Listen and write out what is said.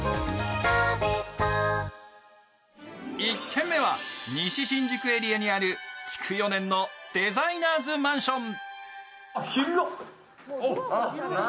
１軒目は西新宿エリアにある築４年のデザイナーズマンション。